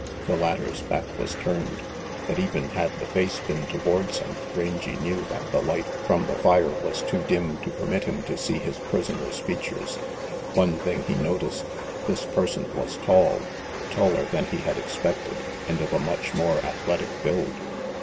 The latter's back was turned, but even had the face been towards him Rangy knew that the light from the fire was too dim to permit him to see his prisoner's features. One thing he noticed this person was tall, taller than he had expected, and of a much more athletic build.